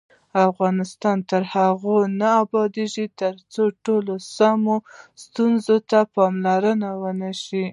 افغانستان تر هغو نه ابادیږي، ترڅو د ټولو سیمو ستونزو ته پاملرنه ونشي.